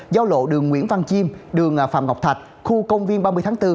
giao lộ đường nguyễn văn chiêm đường phạm ngọc thạch khu công viên ba mươi tháng bốn